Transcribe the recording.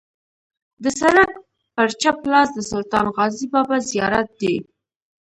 د سړک پر چپ لاس د سلطان غازي بابا زیارت دی.